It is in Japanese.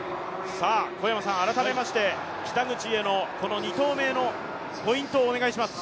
改めまして、北口へのこの２投目へのポイントをお願いします。